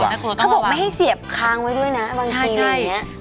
เขาบอกไม่ให้เสียบค้างไว้ด้วยนะบางทีอย่างนี้